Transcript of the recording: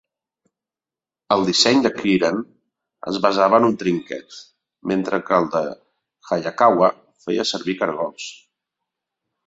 El disseny de Keeran es basava en un trinquet, mentre que el de Hayakawa feia servir cargols.